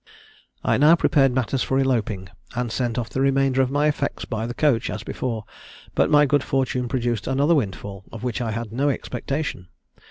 "I now prepared matters for eloping, and sent off the remainder of my effects by the coach, as before; but my good fortune produced another windfall, of which I had no expectation.